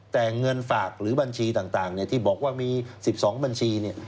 แต่เงินฝากหรือบัญชีต่างที่บอกว่ามี๑๒บัญชี